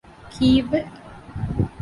ކީއްވެ؟